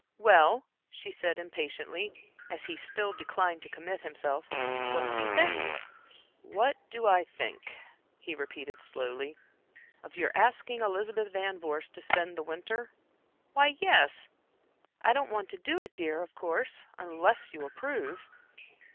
"Well," she said, impatiently, as he still declined to commit himself, "what do you think?" "What do I think," he repeated, slowly, "of your asking Elizabeth Van Vorst to spend the winter?" "Why, yes, I don't want to do it, dear, of course, unless you approve."